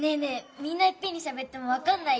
みんないっぺんにしゃべってもわかんないよ。